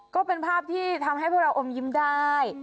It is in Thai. ก็เป็นภาพที่ทำให้พวกเราอมยิ้มได้